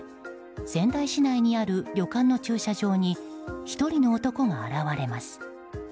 仙台市内にある旅館の駐車場に１人の男が現れます。